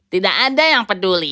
tidak ada yang peduli